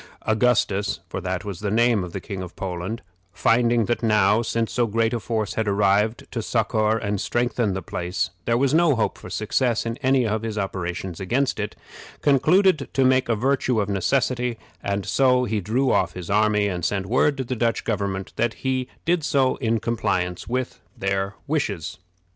Augustus, for that was the name of the King of Poland, finding that now, since so great a force had arrived to succor and strengthen the place, there was no hope for success in any of his operations against it, concluded to make a virtue of necessity, and so he drew off his army, and sent word to the Dutch government that he did so in compliance with their wishes.